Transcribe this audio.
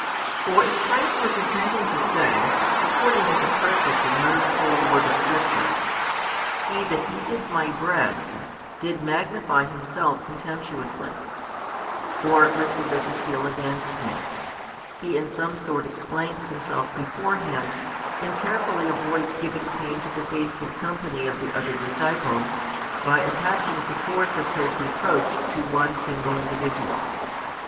For as Christ was intending to say, according to the perfect and most holy word of Scripture: He that eateth My bread did magnify himself contemptuously, or lifted up his heel against Me, He in some sort explains Himself beforehand, and carefully avoids giving pain to the faithful company of the other disciples, by attaching the force of His reproach to one |187 single individual.